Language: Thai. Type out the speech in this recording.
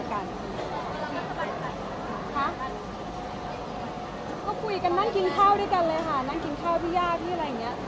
ก็คุยกันนั่งกินข้าวด้วยกันเลยค่ะนั่งกินข้าวพี่ย่าพี่อะไรอย่างนี้